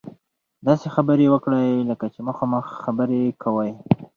داسې خبرې وکړئ لکه چې مخامخ خبرې کوئ.